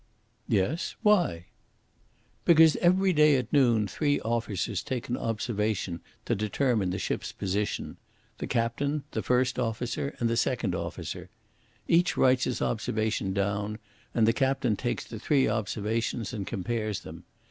"Yes; why?" "Because every day at noon three officers take an observation to determine the ship's position the captain, the first officer, and the second officer. Each writes his observation down, and the captain takes the three observations and compares them.